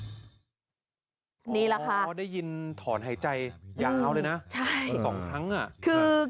นี่แหละค่ะอ๋อได้ยินถอนหายใจอย่างเงาเลยนะสองครั้งน่ะอืมใช่